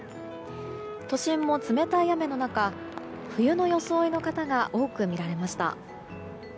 都心も冷たい雨の中冬の装いの方が多く見られました。